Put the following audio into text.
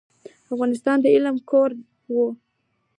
افغانستان د علم کور و.